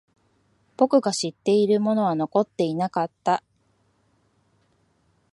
僕が知っているものは残っていなかった。